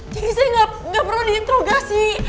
jadi saya gak perlu diinterogasi